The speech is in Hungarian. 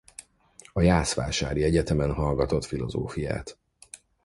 A jászvásári egyetemen hallgatott filozófiát.